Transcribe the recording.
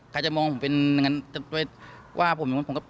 ใครจะมองผมเป็นอย่างนั้นจะว่าผมอย่างไร